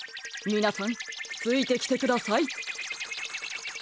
みなさんついてきてください。